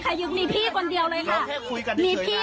ให้หนูมากินข้าวนะพี่